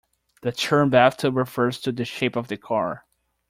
The term "bathtub" refers to the shape of the car.